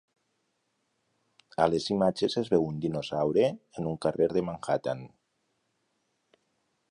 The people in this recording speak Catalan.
A les imatges es veu un dinosaure en un carrer de Manhattan.